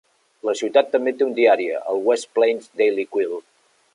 La ciutat també té un diari, el "West Plains Daily Quill".